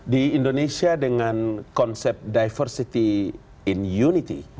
di indonesia dengan konsep diversity in unity